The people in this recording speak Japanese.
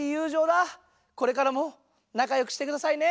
これからもなかよくしてくださいね。